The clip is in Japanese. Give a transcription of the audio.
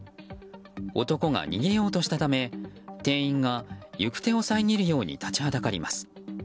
男が逃げようとしたため店員が、行く手を遮るように立ちはだかります。